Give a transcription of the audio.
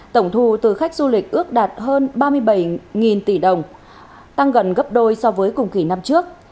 tổng thu từ khách du lịch ước đạt hơn ba mươi bảy tỷ đồng tăng gần gấp đôi so với cùng kỳ năm trước